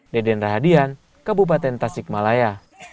deden rahadian kabupaten tasikmalaya